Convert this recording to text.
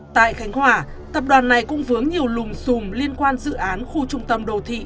tại khánh hòa tập đoàn này cũng vướng nhiều lùm xùm liên quan dự án khu trung tâm đô thị